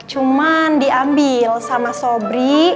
cuman diambil sama sobri